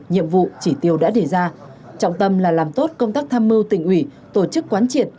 nhiệm vụ chỉ tiêu đã đề ra trọng tâm là làm tốt công tác tham mưu tỉnh ủy tổ chức quán triệt